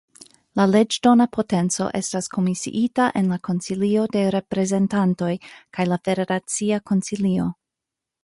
La leĝdona potenco estas komisiita en la Konsilio de Reprezentantoj kaj la Federacia Konsilio.